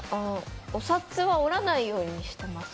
お札は折らないようにしてます。